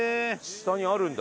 下にあるんだ。